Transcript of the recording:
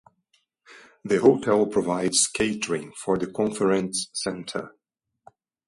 The hotel provides catering for the conference centre.